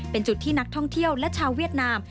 เป็นจุดที่นักท่องเที่ยวและชาวเวียดนาม